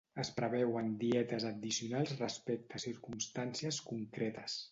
Es preveuen dietes addicionals respecte a circumstàncies concretes.